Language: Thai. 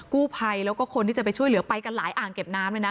กู้ภัยแล้วก็คนที่จะไปช่วยเหลือไปกันหลายอ่างเก็บน้ำเลยนะ